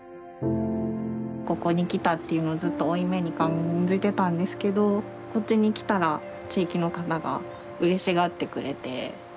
ここに来たっていうのをずっと負い目に感じてたんですけどこっちに来たら地域の方がうれしがってくれて。